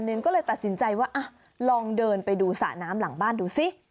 ก็เลยตัดสินใจว่าลองเดินไปดูสระน้ำหลังบ้านดูสิ